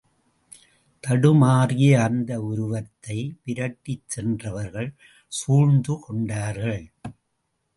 தடுமாறிய அந்த உருவத்தை விரட்டிச் சென்றவர்கள் சூழ்ந்து, கொண்டார்கள்.